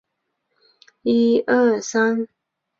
小学则位于爱丁堡皇家植物园北侧。